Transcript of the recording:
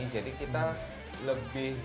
jadi kita lebih